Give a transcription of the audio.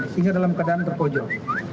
sehingga dalam keadaan terpojok